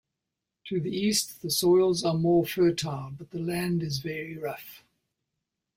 To the east, the soils are more fertile, but the land is very rough.